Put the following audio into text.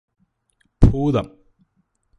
ഭൂതം